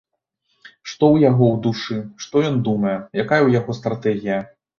Што ў яго ў душы, што ён думае, якая ў яго стратэгія?